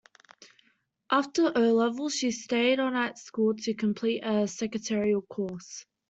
After O-levels she stayed on at school to complete a secretarial course.